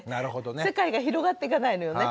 世界が広がっていかないのよね。